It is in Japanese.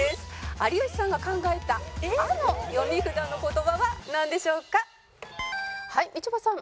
「有吉さんが考えた“あ”の読み札の言葉はなんでしょうか？」はいみちょぱさん。